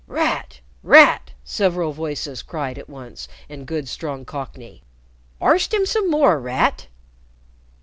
"Rat! Rat!" several voices cried at once in good strong Cockney. "Arst 'im some more, Rat!"